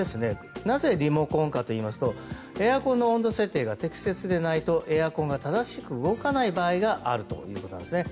なぜリモコンかというとエアコンの温度設定が適切でないとエアコンが正しく動かない場合があるということなんですね。